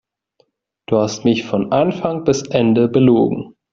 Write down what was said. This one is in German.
Du hast mich von Anfang bis Ende belogen.